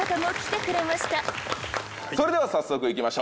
それでは早速いきましょう。